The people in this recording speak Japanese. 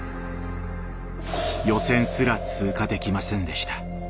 予選すら通過できませんでした。